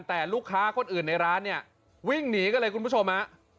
แต่ลูกค้าคนอื่นในร้านเนี่ยวิ่งหนีกันเลยคุณผู้ชมฮะ